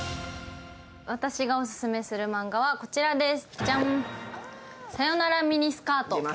私がオススメするマンガはこちらです。